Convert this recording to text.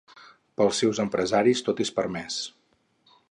Pels seus empresaris, tot és permès.